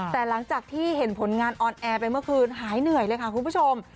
แต่หลังจากที่เห็นผลงานออนแอร์ไปเมื่อคืนหายเหนื่อยเลยค่ะคุณผู้ชม